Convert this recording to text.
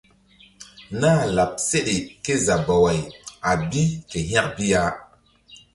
Nah láɓ seɗe kézabaway a bi ke hȩk bi ya.